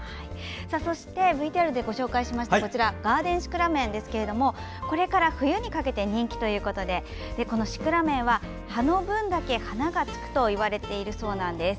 ＶＴＲでご紹介したガーデンシクラメンですがこれから冬にかけて人気ということでこのシクラメンは葉の分だけ花がつくといわれているそうです。